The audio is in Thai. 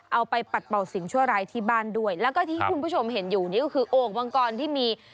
ปัดเป่าสิ่งชั่วร้ายที่บ้านด้วยแล้วก็ที่คุณผู้ชมเห็นอยู่นี่ก็คือโอ่งมังกรที่มี